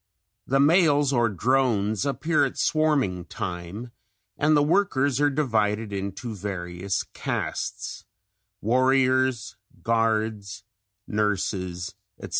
The males or drones appear at swarming time and the workers are divided into various castes warriors, guards, nurses, etc.